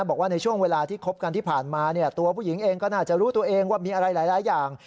บอกว่าในช่วงเวลาที่คบกันที่ผ่านมาเนี่ยตัวผู้หญิงเองก็น่าจะรู้ตัวเองว่ามีอะไรหลายอย่าง